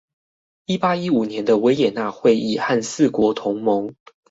一八一五年的維也納會議和四國同盟